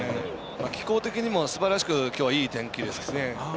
気候的にもすばらしくきょうはいい天気ですしね。